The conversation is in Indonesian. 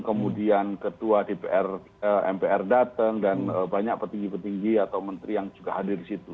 kemudian ketua mpr datang dan banyak petinggi petinggi atau menteri yang juga hadir di situ